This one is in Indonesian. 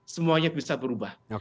semuanya bisa berubah